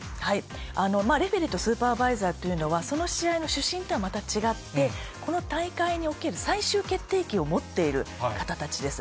レフェリーとスーパーバイザーというのは、その試合の主審とはまた違って、この大会における最終決定権を持っている方たちです。